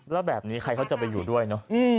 แล้วแบบนี้ใครเขาจะไปอยู่ด้วยเนอะ